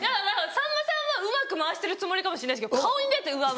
さんまさんはうまく回してるつもりかもしれないですけど顔に出て「うわ」。